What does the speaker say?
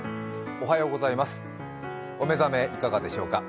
お目覚めいかがでしょうか。